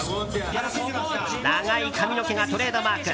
長い髪の毛がトレードマーク。